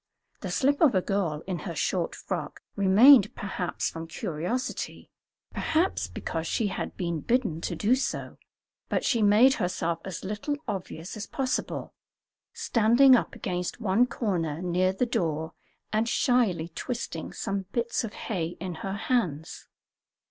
The slip of a girl in her short frock remained, perhaps from curiosity, perhaps because she had been bidden to do so, but she made herself as little obvious as possible, standing up against one corner near the door and shyly twisting some bits of hay in her hands.